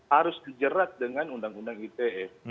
harus dijerat dengan undang undang ite